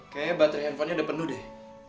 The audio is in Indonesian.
kayaknya baterai handphonenya udah penuh deh